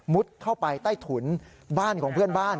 เข้าไปใต้ถุนบ้านของเพื่อนบ้าน